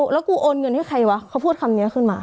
แล้วกูโอนเงินให้ใครวะเขาพูดคำนี้ขึ้นมา